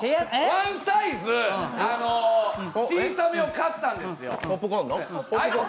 ワンサイズ小さめを買ったんですよ。